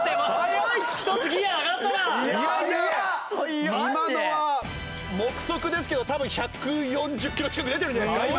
いやいや今のは目測ですけど多分１４０キロ近く出てるんじゃないですか？